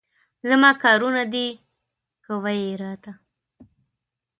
زما کارونه دي، کوه یې راته.